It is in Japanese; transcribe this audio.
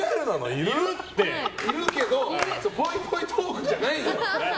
いるけどぽいぽいトークじゃないじゃん。